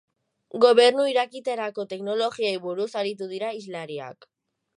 Gobernu Irekietarako teknologiei buruz aritu dira hizlariak.